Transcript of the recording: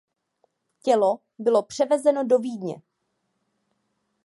Tělo bylo převezeno do Vídně.